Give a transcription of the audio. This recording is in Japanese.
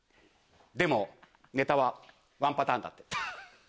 でもネタはワンパターンだ！って。